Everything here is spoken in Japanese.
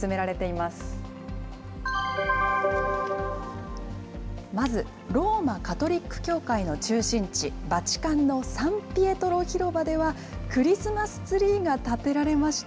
まず、ローマ・カトリック教会の中心地、バチカンのサンピエトロ広場では、クリスマスツリーが立てられました。